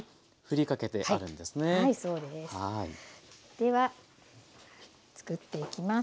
では作っていきます。